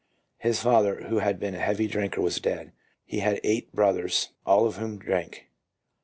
His father, who had been a heavy drinker, was dead. He had eight brothers, all of whom drank.